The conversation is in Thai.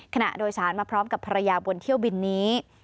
ขณะโดยสารมาพร้อมกับภรรยาบนเที่ยวบินนี้